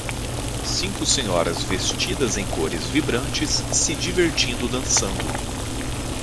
Cinco senhoras vestidas em cores vibrantes se divertindo dançando.